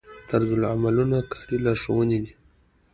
طرزالعملونه کاري لارښوونې دي